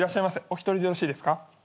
お一人でよろしいですか？